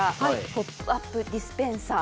ポップアップディスペンサー？